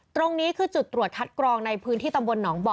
ตรงนี้คือจุดตรวจคัดกรองในพื้นที่ตำบลหนองบ่อ